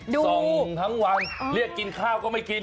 ส่งทั้งวันเรียกกินข้าวก็ไม่กิน